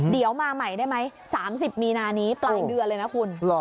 เดี๋ยวมาใหม่ได้ไหม๓๐มีนานี้ปลายเดือนเลยนะคุณ